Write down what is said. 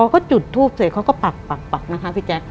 พอจุดทูบเสร็จเขาก็ปักนะคะพี่แจ๊ก